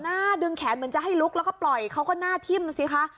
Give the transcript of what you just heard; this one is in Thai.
ดึงแขนเหมือนจะให้ลุกแล้วก็ปล่อยเขาก็หน้าทิ่มสิคะ